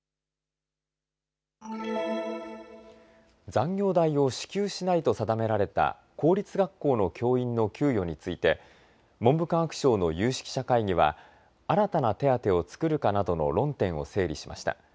残業代を支給しないと定められた公立学校の教員の給与について文部科学省の有識者会議は新たな手当を作るかなどの論点を整理しました。